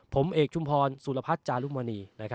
ผมเอกชุมพรสุรพัฒน์จารุมณี